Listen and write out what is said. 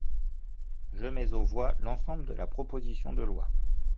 Je mets aux voix l’ensemble de la proposition de loi.